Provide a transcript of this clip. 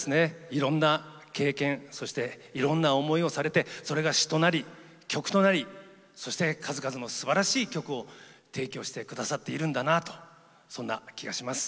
いろんな経験そしていろんな思いをされてそれが詞となり曲となりそして数々のすばらしい曲を提供してくださっているんだなとそんな気がします。